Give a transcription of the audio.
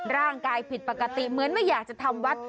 ร่างกายผิดปกติเหมือนไม่อยากจะทำวัด